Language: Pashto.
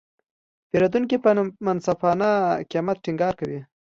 پیرودونکي په منصفانه قیمت ټینګار کوي.